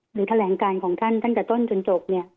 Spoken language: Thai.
หรือแถลงการของท่านตั้งแต่ต้นจนจบเนี่ย